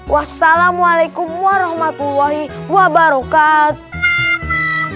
wassalamualaikum warahmatullahi wabarakatuh